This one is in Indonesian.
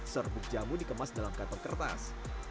serbuk jamu dikemas dalam kantong kertas